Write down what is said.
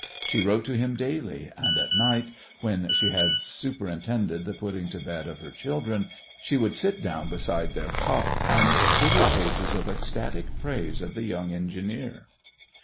She wrote to him daily, and at night, when she had superintended the putting to bed of her children, she would sit down beside their cot and scribble pages of ecstatic praise of the young engineer.